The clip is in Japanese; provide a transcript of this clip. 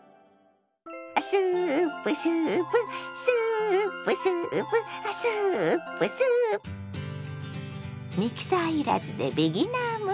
「スープスープスープスープ」「スープスー」ミキサー要らずでビギナー向け。